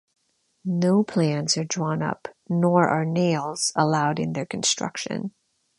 No plans are drawn up nor are nails allowed in their construction.